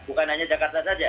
bukan hanya jakarta saja